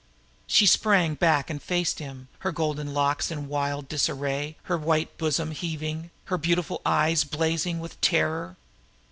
She sprang back and faced him, her golden locks in wild disarray, her white bosom heaving, her beautiful eyes blazing with terror.